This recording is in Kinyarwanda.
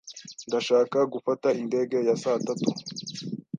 Ndashaka gufata indege ya saa tatu.